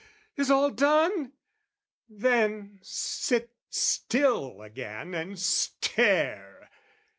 Is all done? Then sit still again and stare!